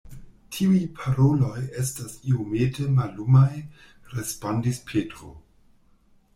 Tiuj paroloj estas iomete mallumaj, respondis Petro.